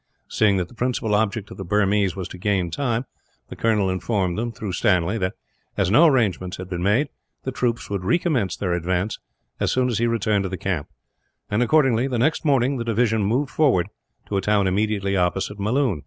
Seeing that the principal object of the Burmese was to gain time, the colonel informed them through Stanley that, as no arrangements had been made, the troops would recommence their advance as soon as he returned to the camp and, accordingly, the next morning the division moved forward to a town immediately opposite Melloon.